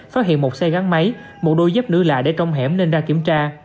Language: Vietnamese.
phát hiện một xe gắn máy một đôi dép nữ lại để trong hẻm nên ra kiểm tra